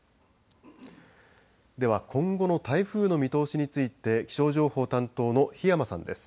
では今後の台風の見通しについて気象情報担当の檜山さんです。